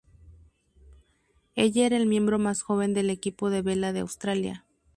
Ella era el miembro más joven del equipo de vela de Australia.